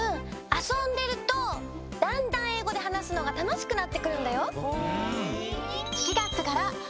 あそんでるとだんだんえいごではなすのがたのしくなってくるんだよ。